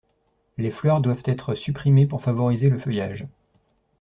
Les fleurs doivent être supprimées pour favoriser le feuillage.